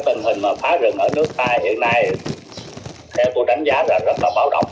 tình hình phá rừng ở nước tai hiện nay tôi đánh giá là rất là bão động